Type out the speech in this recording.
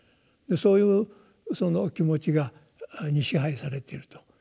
そういうその気持ちに支配されていると。